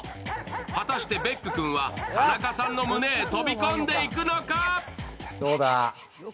果たしてベック君は田中さんの胸へ飛び込んでいくのか。